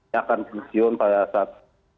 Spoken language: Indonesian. yang akan pensiun pada saat